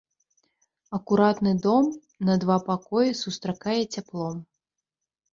Акуратны дом на два пакоі сустракае цяплом.